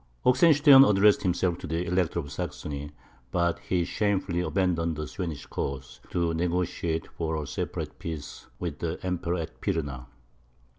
Oxenstiern addressed himself to the Elector of Saxony; but he shamefully abandoned the Swedish cause, to negociate for a separate peace with the Emperor at Pirna.